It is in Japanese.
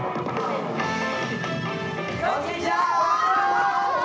こんにちは！